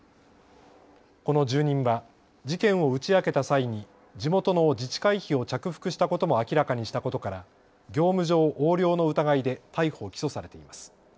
この住人は事件を打ち明けた際に地元の自治会費を着服したことも明らかにしたことから業務上横領の疑いで逮捕・起訴されています。